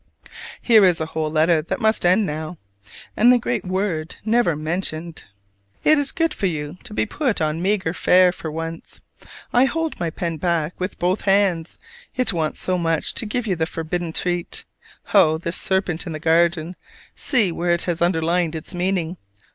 Here is a whole letter that must end now, and the great Word never mentioned! It is good for you to be put upon maigre fare, for once. I ho_l_d my pen back with b_o_th hands: it wants so much to gi_v_e you the forbidd_e_n treat. Oh, the serpent in the garden! See where it has underlined its meaning.